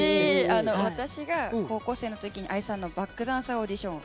私が高校生のときにＡＩさんのバックダンサーオーディションを